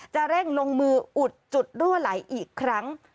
จะเร่งลงมืออุดจุดรั่วไหลอีกครั้ง